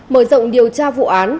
mở rộng điều tra vụ án